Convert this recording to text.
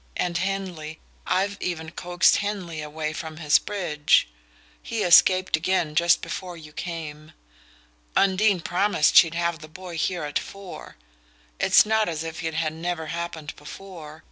And Henley: I'd even coaxed Henley away from his bridge! He escaped again just before you came. Undine promised she'd have the boy here at four. It's not as if it had never happened before.